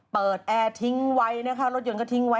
แอร์ทิ้งไว้นะคะรถยนต์ก็ทิ้งไว้